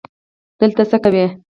دلته څه کوې؟